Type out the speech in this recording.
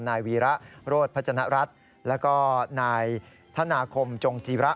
นายวีระโรธพัฒนรัฐแล้วก็นายธนาคมจงจีระ